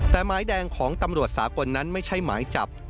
แต่หมายแดงของตำรวจสากลนั้นไม่ใช่หมายจับ